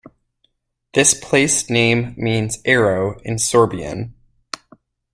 This place name means "arrow" in Sorbian.